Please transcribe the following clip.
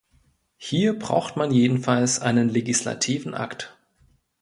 Hier braucht man jedenfalls einen legislativen Akt.